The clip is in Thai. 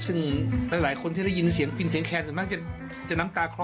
ซึ่งหลายคนที่ได้ยินเสียงพินเสียงแคลนส่วนมาก